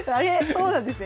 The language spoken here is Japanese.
そうなんですね。